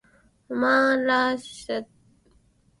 マハーラーシュトラ州の州都はムンバイである